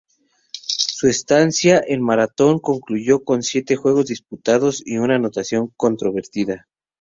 Su estancia en Marathón concluyó con siete juegos disputados y una anotación convertida.